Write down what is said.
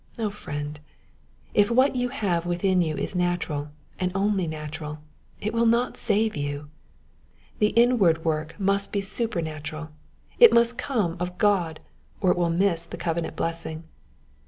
O friend, if what you have within you is natural, and only natural, it will not save you ! The inward work must be supernatural ; it must come of God or it will miss the covenant blessing.